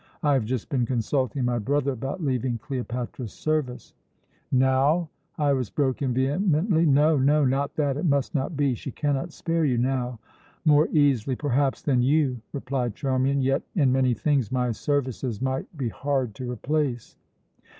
I have just been consulting my brother about leaving Cleopatra's service." "Now?" Iras broke in vehemently. "No, no! Not that! It must not be! She cannot spare you now." "More easily, perhaps, than you," replied Charmian; "yet in many things my services might be hard to replace."